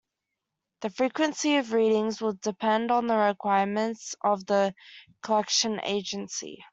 The frequency of readings will depend on the requirements of the collection agency.